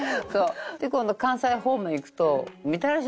で今度関西方面に行くと。